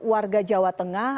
warga jawa tengah